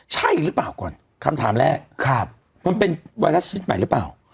ใช่หรือเปล่าก่อนคำถามแรกมันเป็นไวรัสชีวิตใหม่หรือเปล่า